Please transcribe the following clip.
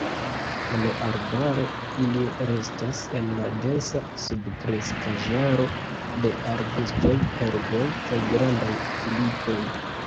En arbaro, ili restas en la densa subkreskaĵaro de arbustoj, herboj kaj grandaj filikoj.